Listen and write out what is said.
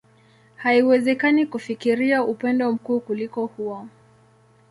Haiwezekani kufikiria upendo mkuu kuliko huo.